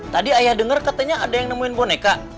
tadi ayah dengar katanya ada yang nemuin boneka